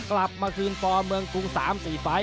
กลับมาคืนปเมืองกรุงสามสี่ฝาย